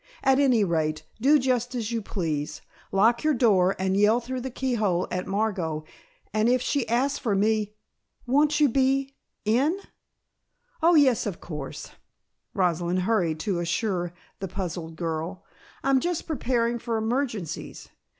At any rate, do just as you please. Lock your door and yell through the keyhole at Margot, and if she asks for me " "Won't you be in?" "Oh, yes, of course," Rosalind hurried to assure the puzzled girl. "I'm just preparing for emergencies.